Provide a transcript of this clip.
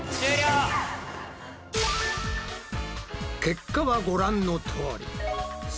結果はご覧のとおり。